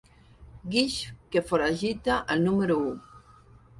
Guix que foragita el número u.